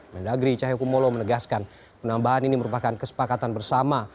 mendagri cahayu kumolo menegaskan penambahan ini merupakan kesepakatan bersama